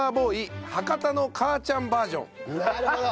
なるほど！